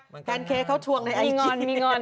แฟนเคเขาทุ่งในไอีกี้